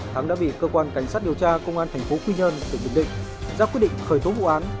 thắng đã bị cơ quan cảnh sát điều tra công an thành phố quy nhơn tỉnh bình định ra quyết định khởi tố vụ án